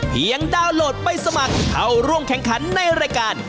เพียงดาวน์โหลดไปสมัคร